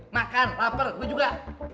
makan lapar gue juga